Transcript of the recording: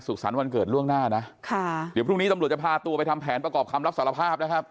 สรรค์วันเกิดล่วงหน้านะค่ะเดี๋ยวพรุ่งนี้ตำรวจจะพาตัวไปทำแผนประกอบคำรับสารภาพนะครับ